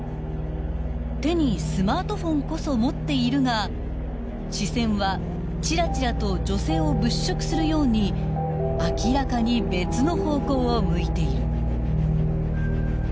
［手にスマートフォンこそ持っているが視線はちらちらと女性を物色するように明らかに別の方向を向いている］